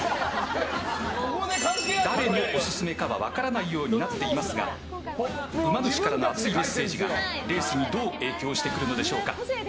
誰のオススメかは分からないようになっていますがうま主からの熱いメッセージがレースにどう影響してくるのでしょうか。